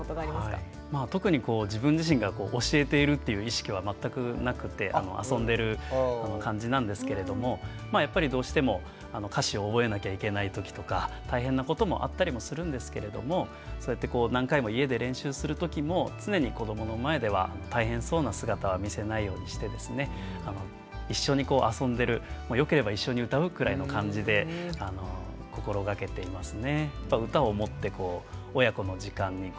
特に自分自身が教えているっていう意識は全くなくて遊んでる感じなんですけれどもまあやっぱりどうしても歌詞を覚えなきゃいけないときとか大変なこともあったりもするんですけれどもそうやって何回も家で練習するときも常に子どもの前では大変そうな姿は見せないようにしてですね一緒にこう遊んでるよければ一緒に歌う？くらいの感じで心がけていますね。